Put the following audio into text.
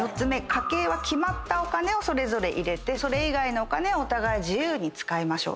家計は決まったお金をそれぞれ入れてそれ以外のお金はお互い自由に使いましょうと。